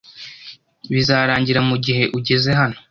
Bizarangira mugihe ugeze hano